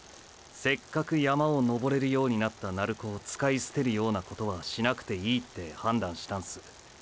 せっかく山を登れるようになった鳴子を使いすてるようなことはしなくていいって判断したんす。